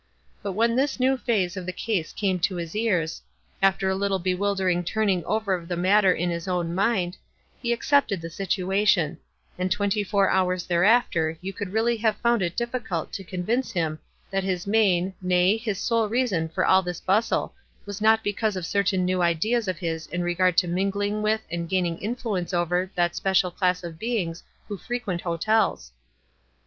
But when this new phase of the case came to his ears, after a little bewildering turn ing over of the matter in his own mind, he accepted the situation ; and twenty four hours thereafter you would really have found it diffi cult to convince him that his main, nay, his sole reason for all this bustle was not because of cer tain new ideas of his in regard to mingling with and gaining influence over that special class of beings who frequent hotels.